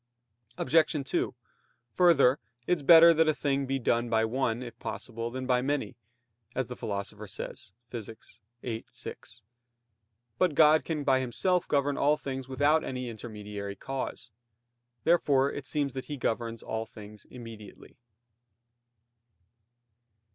Obj. 2: Further, it is better that a thing be done by one, if possible, than by many, as the Philosopher says (Phys. viii, 6). But God can by Himself govern all things without any intermediary cause. Therefore it seems that He governs all things immediately.